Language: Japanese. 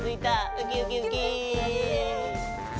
ウキウキウキ。